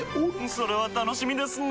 それは楽しみですなぁ。